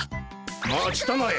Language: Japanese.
待ちたまえ！